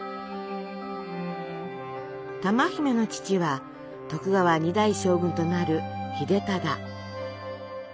珠姫の父は徳川２代将軍となる秀忠。